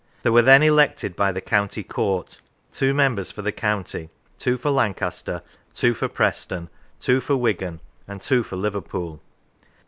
There were then elected by the County Court : two members for the county, two for Lancaster, two for Preston, two for Wigan, and two for Liverpool.